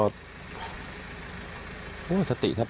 สติใส่บาก